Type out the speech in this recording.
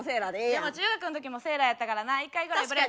でも中学ん時もセーラーやったからな一回ぐらいブレザー。